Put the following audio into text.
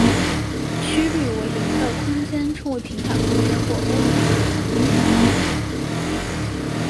曲率为零的空间称为平坦空间或欧几里得空间。